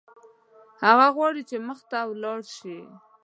هغه غواړي چې مخته ولاړ شي.